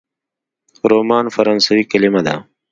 رومان فرانسوي کلمه ده.